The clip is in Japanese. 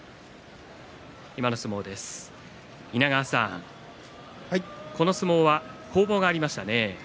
稲川さん、この相撲は攻防がありましたね。